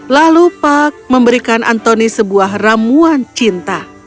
lalu pak memberikan antoni sebuah ramuan cinta